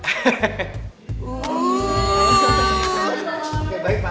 oke baik pak